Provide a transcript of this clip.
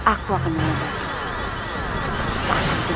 aku akan membantu